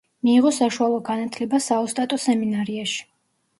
მიიღო საშუალო განათლება საოსტატო სემინარიაში.